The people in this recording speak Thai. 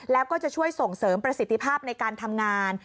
แล้วก็จะช่วยส่งเสริมประสิทธิภาพในการทำงาน